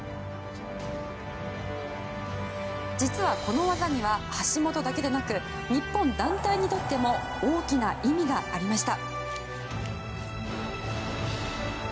実はこの技には、橋本だけでなく日本団体にとっても大きな意味がありました。